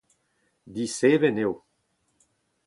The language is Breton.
Diseven eo.